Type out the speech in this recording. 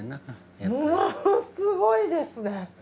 ものすごいですね。